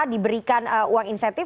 diberikan uang insentif